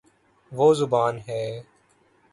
وہ زبا ن ہے